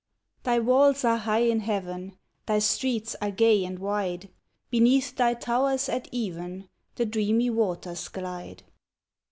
Thy walls are high in heaven, Thy streets are gay and wide. Beneath thy towers at even The dreamy waters glide.